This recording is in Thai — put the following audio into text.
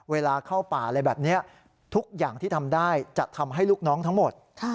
เวลาเข้าป่าอะไรแบบนี้ทุกอย่างที่ทำได้จะทำให้ลูกน้องทั้งหมด